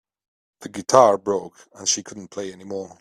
The guitar broke and she couldn't play anymore.